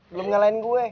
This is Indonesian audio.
belum ngalahin gue